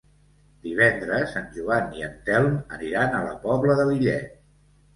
Divendres en Joan i en Telm aniran a la Pobla de Lillet.